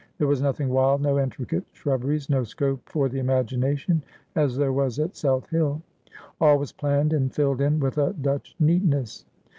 There was nothing wild, no intricate shrubberies, no scope for the imagination, as there was at South Hill. All was planned and filled in with a Dutch neatness.